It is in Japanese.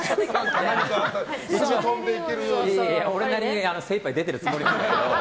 いやいや、俺なりに精いっぱい出てるつもりなんですけど。